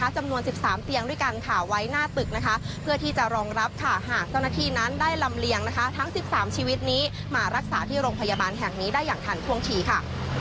จำนวน๑๓เตียงด้วยกันค่ะไว้หน้าตึกนะคะเพื่อที่จะรองรับค่ะหากเจ้าหน้าที่นั้นได้ลำเลียงทั้ง๑๓ชีวิตนี้มารักษาที่โรงพยาบาลแห่งนี้ได้อย่างทันท่วงทีค่ะ